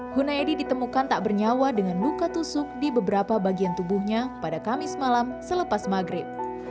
hunayadi ditemukan tak bernyawa dengan luka tusuk di beberapa bagian tubuhnya pada kamis malam selepas maghrib